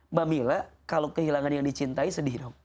mbak mila kalau kehilangan yang dicintai sedih dong